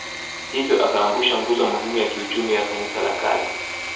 Hivyo akaangusha nguzo muhimu ya kiuchumi ya Kanisa la kale